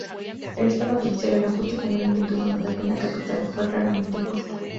El sistema judicial era justo y generalmente humano; la pena capital fue raramente impuesta.